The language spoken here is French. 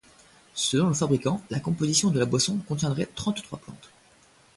Selon le fabricant, la composition de la boisson contiendrait trente-trois plantes.